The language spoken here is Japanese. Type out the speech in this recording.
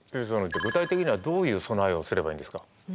具体的にはどういう備えをすればいいんですか？